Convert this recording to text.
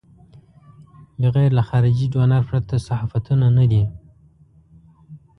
بغیر له خارجي ډونر پرته صحافتونه نه دي.